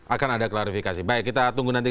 akan ada klarifikasi baik kita tunggu nanti